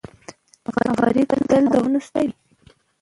غریب تل د غمونو سیوری وي